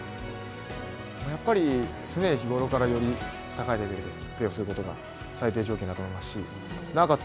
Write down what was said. やっぱり、常日頃からより高いレベルでプレーすることが最低条件だと思いますしなおかつ